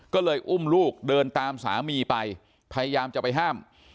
ก็เลยอุ้มลูกเดินตามสามีไปพยายามจะไปห้าม